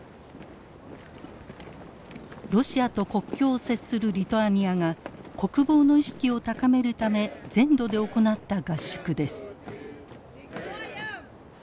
ロシアと国境を接するリトアニアが国防の意識を高めるため全土で行った合宿です。